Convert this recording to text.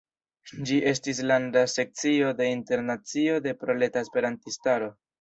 Ĝi estis landa sekcio de Internacio de Proleta Esperantistaro.